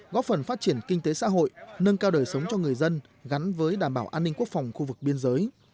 góp phần phát triển kinh tế xã hội nâng cao đời sống cho người dân gắn với đảm bảo an ninh quốc phòng khu vực biên giới